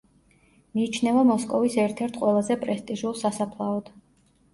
მიიჩნევა მოსკოვის ერთ-ერთ ყველაზე პრესტიჟულ სასაფლაოდ.